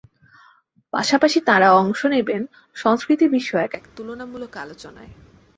পাশাপাশি তাঁরা অংশ নেবেন সংস্কৃতিবিষয়ক এক তুলনামূলক আলোচনায়।